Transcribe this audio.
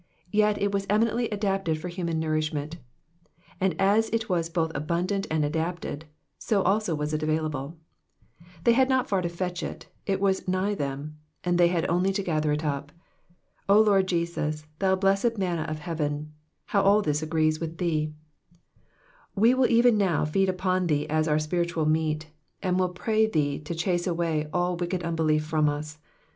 yet it was eminently adapted for human nourishment ; and as it was both abundant and adapted, so also was it available ! They had not far to fetch it, it was nigh them, and they had only to gather it up. O Lord Jesus, thou blessed manna of heaven, how all this agrees with Thee I We will even now feed on Thee as our spiritual meat, and will pray Thee to chase away all wicked unbelief from us.